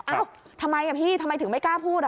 อ้าวทำไมอ่ะพี่ทำไมถึงไม่กล้าพูดอ่ะ